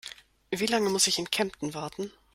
Wie lange muss ich in Kempten warten?